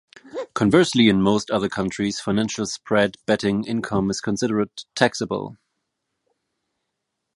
Conversely, in most other countries financial spread betting income is considered taxable.